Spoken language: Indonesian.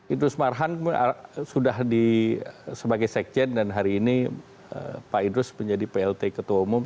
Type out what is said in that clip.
idrus marhan sudah sebagai sekjen dan hari ini pak idrus menjadi plt ketua umum